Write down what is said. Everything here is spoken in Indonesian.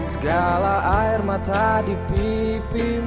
segala air mata di pipimu